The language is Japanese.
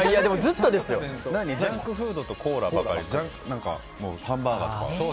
ジャンクフードとコーラとかハンバーガーとか？